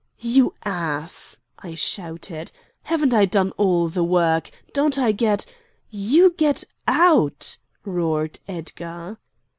"You ass!" I shouted. "Haven't I done all the work? Don't I get——" "You get out!" roared Edgar.